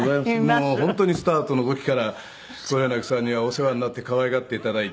もう本当にスタートの時から黒柳さんにはお世話になって可愛がって頂いて。